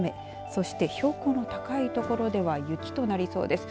そして、標高の高い所では雪となりそうです。